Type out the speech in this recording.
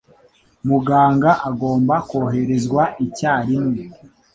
Muganga agomba koherezwa icyarimwe.